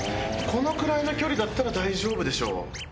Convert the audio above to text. このくらいの距離だったら大丈夫でしょう。